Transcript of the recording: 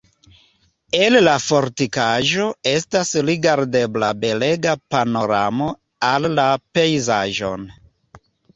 El la fortikaĵo estas rigardebla belega panoramo al la pejzaĝon.